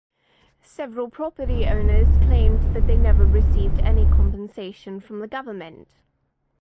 Several property owners claimed that they never received any compensation from the government.